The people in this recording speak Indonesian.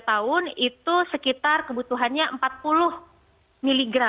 satu tiga tahun itu sekitar kebutuhannya empat puluh mg